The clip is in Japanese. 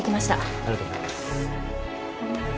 ありがとうございます。